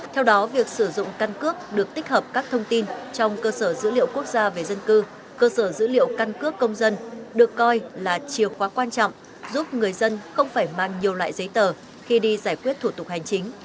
theo đó việc sử dụng căn cước được tích hợp các thông tin trong cơ sở dữ liệu quốc gia về dân cư cơ sở dữ liệu căn cước công dân được coi là chiều khóa quan trọng giúp người dân không phải mang nhiều loại giấy tờ khi đi giải quyết thủ tục hành chính